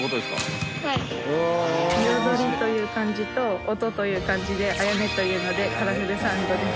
「彩り」という漢字と「音」という漢字で彩音というのでカラフルサウンドです。